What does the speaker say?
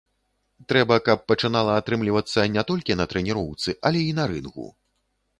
Трэба, каб пачынала атрымлівацца не толькі на трэніроўцы, але і на рынгу.